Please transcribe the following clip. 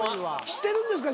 知ってるんですか？